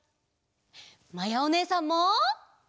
まやおねえさんも！